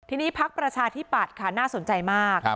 ทีนี้พักประชาธิปัตย์ค่ะน่าสนใจมาก